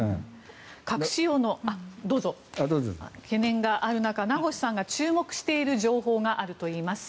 核使用の懸念がある中名越さんが注目している情報があるといいます。